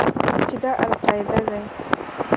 چې دا القاعده دى.